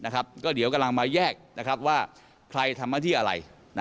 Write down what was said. ก็เดี๋ยวกำลังมาแยกว่าใครทำหน้าที่อะไร